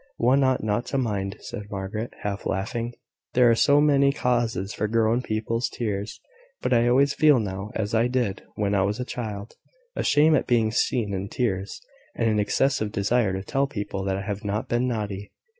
"One ought not to mind," said Margaret, half laughing: "there are so many causes for grown people's tears! but I always feel now as I did when I was a child a shame at being seen in tears, and an excessive desire to tell people that I have not been naughty."